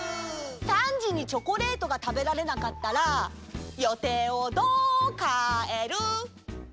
３時にチョコレートが食べられなかったら予定をどう変える？